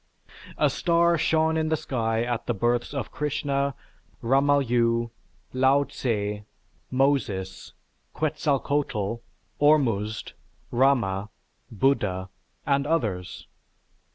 A star shone in the sky at the births of Krishna, Rama Yu, Lao Tsze, Moses, Quetzalcoatl, Ormuzd, Rama, Buddha, and others.